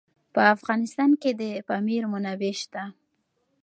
په افغانستان کې د پامیر منابع شته.